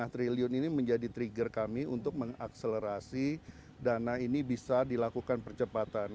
lima triliun ini menjadi trigger kami untuk mengakselerasi dana ini bisa dilakukan percepatan